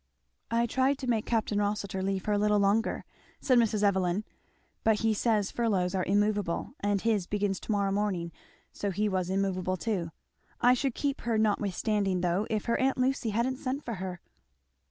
"I tried to make Capt. Rossitur leave her a little longer," said Mrs. Evelyn; "but he says furloughs are immovable, and his begins to morrow morning so he was immovable too. I should keep her notwithstanding, though, if her aunt Lucy hadn't sent for her."